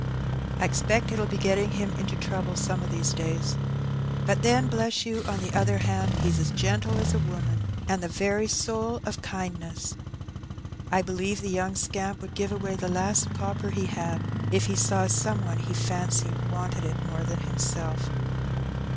I expect it'll be getting him into trouble some of these days. But then, bless you, on the other hand, he's as gentle as a woman, and the very soul of kindness. I believe the young scamp would give away the last copper he had, if he saw some one he fancied wanted it more than himself."